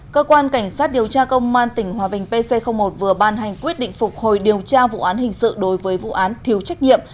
cơ quan cảnh sát điều tra công an tỉnh hòa bình pc một vừa ban hành quyết định phục hồi điều tra vụ án hình sự đối với vụ án thiếu trách nhiệm